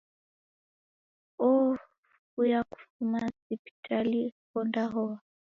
Owuya kufuma sipitali ondahoa